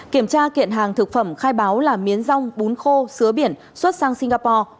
kiểm tra kiện hàng thực phẩm khai báo là miến rong bún khô biển xuất sang singapore